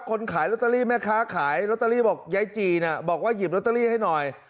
ขายลอตเตอรี่แม่ค้าขายลอตเตอรี่บอกยายจีน่ะบอกว่าหยิบลอตเตอรี่ให้หน่อย